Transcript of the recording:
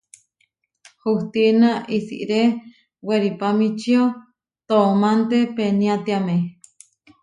Hustína isiré weripamičío toománte peniátiame.